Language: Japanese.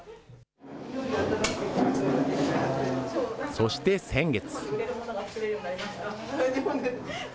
そして先月。